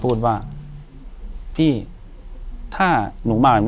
อยู่ที่แม่ศรีวิรัยิลครับ